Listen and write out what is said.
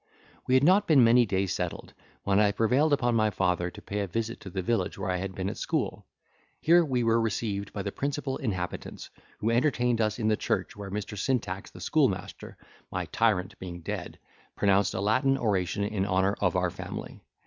We had not been many days settled, when I prevailed upon my father to pay a visit to the village where I had been at school. Here we were received by the principal inhabitants, who entertained us in the church, where Mr. Syntax the schoolmaster (my tyrant being dead) pronounced a Latin oration in honour of our family.